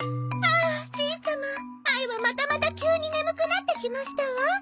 ああしん様あいはまたまた急に眠くなってきましたわ。